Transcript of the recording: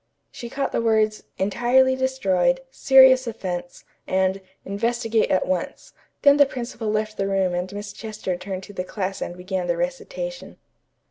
She caught the words "entirely destroyed," "serious offence" and "investigate at once," Then the principal left the room and Miss Chester turned to the class and began the recitation.